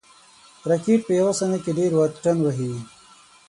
راکټ په یو ثانیه کې ډېر واټن وهي